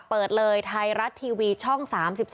เปิดเลยไทยรัฐทีวีช่อง๓๒